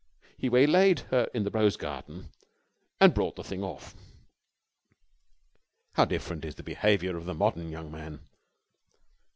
he waylaid her in the rose garden and brought the thing off. How different is the behaviour of the modern young man.